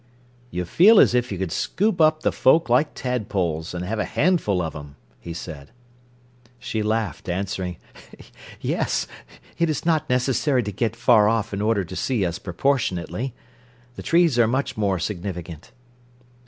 "You feel as if you could scoop up the folk like tadpoles, and have a handful of them," he said. She laughed, answering: "Yes; it is not necessary to get far off in order to see us proportionately. The trees are much more significant."